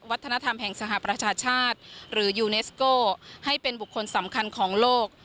วัฒนธรรมแห่งสหประชาชาติหรือยูเนสโก้ให้เป็นบุคคลสำคัญของโลก